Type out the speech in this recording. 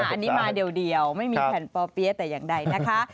อันนี้มาเดียวไม่มีแผ่นปอเปี๊ยะแต่อย่างใดนะคะ